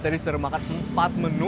tadi sudah makan empat menu